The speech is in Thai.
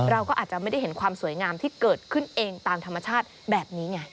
เราก็อาจจะไม่ได้เห็นความสวยงามที่เกิดขึ้นเองตามธรรมชาติแบบนี้ไง